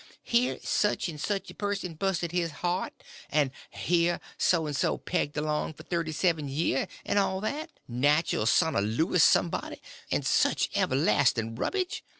Here sich 'n' sich a person busted his heart; 'n' here so 'n' so pegged along for thirty seven year, 'n' all that—natcherl son o' Louis somebody, 'n' sich everlast'n rubbage.